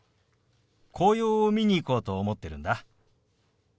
紅葉を見に行こうと思ってるんだ。